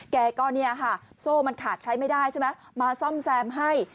แกก็เนี่ยค่ะโซ่มันขาดใช้ไม่ได้ใช่ไหมมาซ่อมแซมให้